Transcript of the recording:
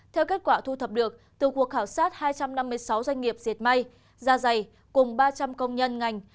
theo kết quả thu thập được từ cuộc khảo sát hai trăm năm mươi sáu doanh nghiệp diệt may da dày cùng ba trăm linh công nhân ngành